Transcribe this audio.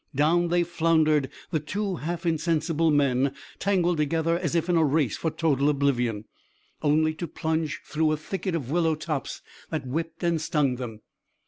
Down they floundered, the two half insensible men tangled together as if in a race for total oblivion, only to plunge through a thicket of willow tops that whipped and stung them.